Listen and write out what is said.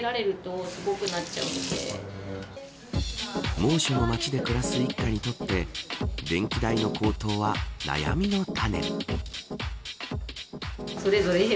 猛暑の街で暮らす一家にとって電気代の高騰は、悩みの種。